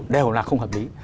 đều là không hợp lý